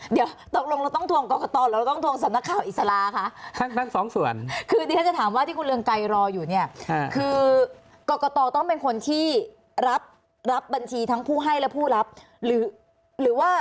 เดี๋ยวตรงต้องทวงกักกะตอหรือต้องทวงสอน้ำข่าวอิสราคะ